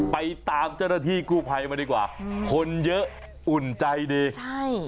ไปตามเจ้าหน้าที่กู้ภัยมาดีกว่าอืมคนเยอะอุ่นใจดีใช่